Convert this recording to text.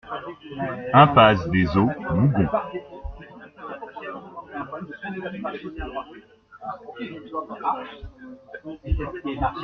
Impasse des Eaux, Mougon